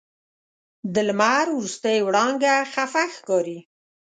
د لمر وروستۍ وړانګه خفه ښکاري